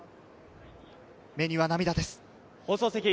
目には涙です。